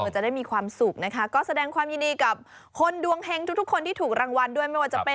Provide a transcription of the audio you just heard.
จะได้มีความสุขก็แสดงด้วยความยินดีกับคนดวงเห็งทุกคนที่ถูกรางวานด้วย